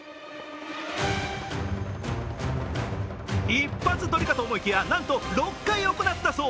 一発撮りかと思いきや、なんと６回行ったそう。